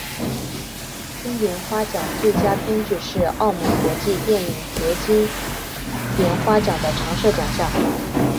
金莲花奖最佳编剧是澳门国际电影节金莲花奖的常设奖项。